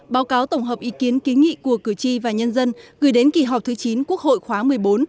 báo cáo tổng hợp ý kiến kiến nghị của cử tri và nhân dân gửi đến kỳ họp thứ chín quốc hội khóa một mươi bốn